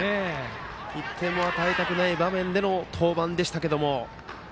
１点も与えたくない場面での登板でしたけども。